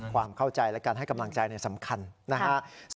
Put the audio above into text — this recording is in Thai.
ความเข้าใจและการให้กำลังใจเนี่ยสำคัญนะฮะ